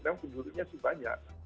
namun penduduknya sih banyak